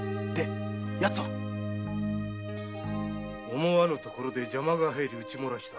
思わぬところで邪魔が入り討ちもらした。